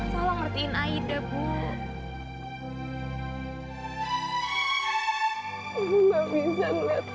hanya gara gara aida gak bisa mandiri